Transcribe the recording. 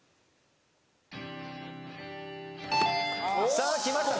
さあきました。